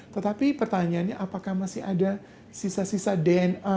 tetapi pertanyaannya apakah masih ada sisa sisa dna